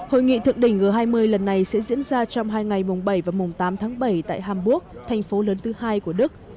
hội nghị thượng đỉnh g hai mươi lần này sẽ diễn ra trong hai ngày mùng bảy và mùng tám tháng bảy tại hamburg thành phố lớn thứ hai của đức